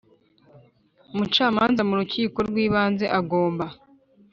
umucamanza mu Rukiko rw Ibanze agomba